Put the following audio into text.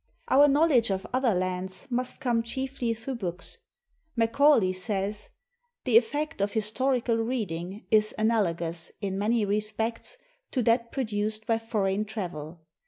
Our knowledge of other lands must come chiefly through books. Macaulay says, " The effect of historical reading is analogous, in many respects, to that produced by foreign travel.